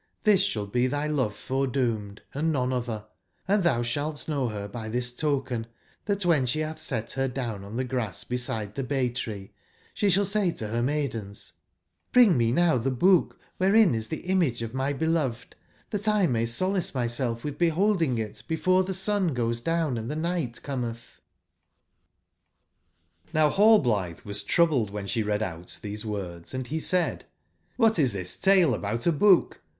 Xlbis shall be thy love foredoomed, and none other; and thou shalt know her by this token, that when she hath set her down on the grass beside the bay/tree, she shall say to her maidens t'Bringme now the book wherein is the image of my beloved, that 1 may solace myself with beholding it before the sun goes down and the night cometh.' " 86 lOCd HaUblitbc was troubled wbcn ebc readout tbc9C words, and beeaid: *'CKbat 19 tbie tale about a booh?